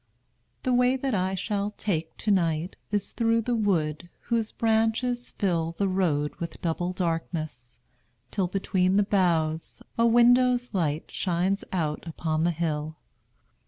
The way that I shall take to night Is through the wood whose branches fill The road with double darkness, till, Between the boughs, a window's light Shines out upon the hill.